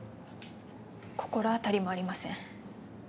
心当たりもありません。